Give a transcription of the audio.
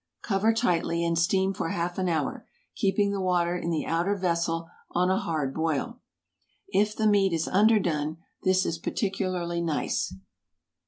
Cover tightly, and steam for half an hour, keeping the water in the outer vessel on a hard boil. If the meat is underdone, this is particularly nice.